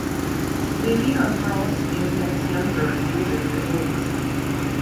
They feed on frogs, insects, young birds, lizards and rodents.